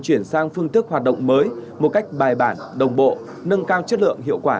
chuyển sang phương thức hoạt động mới một cách bài bản đồng bộ nâng cao chất lượng hiệu quả